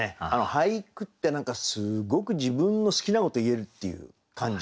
俳句って何かすごく自分の好きなこと言えるっていう感じで。